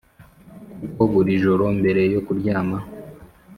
kuko buri joro mbere yo kuryama,